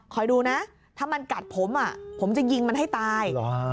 ดูนะถ้ามันกัดผมผมจะยิงมันให้ตาย